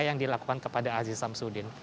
yang dilakukan kepada aziz samsudin